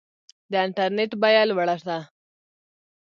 د انټرنیټ بیه لوړه ده؟